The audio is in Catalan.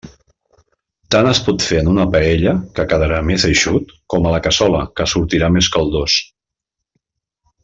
Tant es pot fer en una paella, que quedarà més eixut, com a la cassola, que sortirà més caldós.